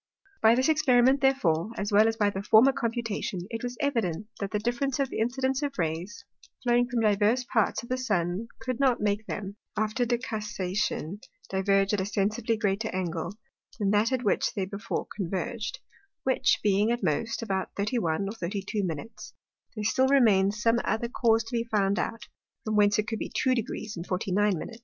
By this Experiment therefore, as well as by the former Computation, it was evident, that the difference of the Incidence of Rays, flowing from divers parts of the Sun could not make them, after decussation, diverge at a sensibly greater Angle, than that at which they before converged; which being, at most, but about thirty one or thirty two Minutes, there still remain'd some other cause to be found out, from whence it could be two Deg. 49 Min.